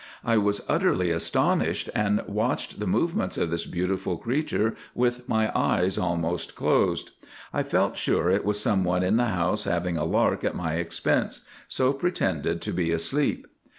"I was utterly astonished, and watched the movements of this beautiful creature with my eyes almost closed. I felt sure it was someone in the house having a lark at my expense, so pretended to be asleep.